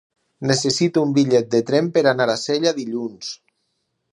Necessito un bitllet de tren per anar a Sella dilluns.